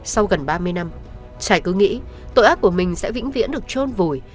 sau gần ba mươi năm trải cứ nghĩ tội ác của mình sẽ vĩnh viễn được trôn vùi